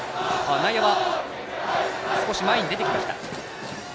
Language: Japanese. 内野は少し前に出てきました。